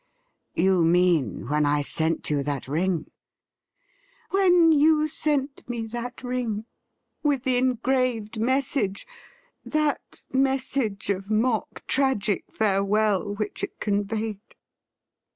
' You mean when I sent you that ring ?' When you sent me that ring, with the engraved message — that message of mock tragic farewell which it conveyed.'